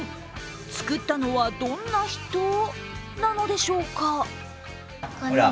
作ったのはどんな人なのでしょうか。